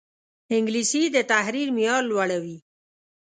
انګلیسي د تحریر معیار لوړوي